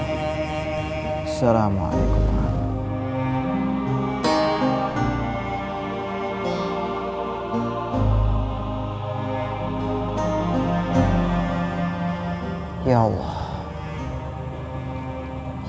oh makasih bawang impian